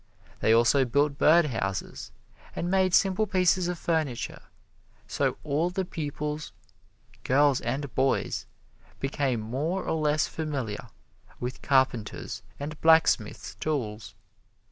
They also built bird houses, and made simple pieces of furniture, so all the pupils, girls and boys, became more or less familiar with carpenter's and blacksmith's tools.